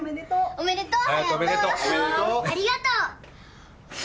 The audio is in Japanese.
おめでとう！